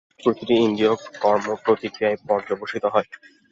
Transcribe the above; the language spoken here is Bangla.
প্রতিটি ইন্দ্রিয়কর্ম প্রতিক্রিয়ায় পর্যবসিত হয়।